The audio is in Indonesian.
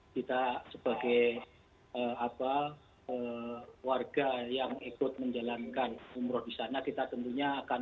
kita sebagai warga yang ikut menjalankan umroh di sana kita tentunya akan